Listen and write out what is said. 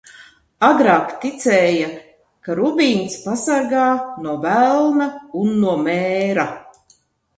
Agrāk ticēja, ka rubīns pasargā no velna un no mēra.